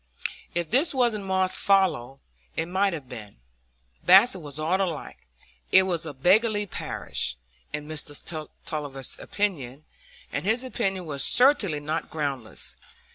If this wasn't Moss's fallow, it might have been; Basset was all alike; it was a beggarly parish, in Mr Tulliver's opinion, and his opinion was certainly not groundless.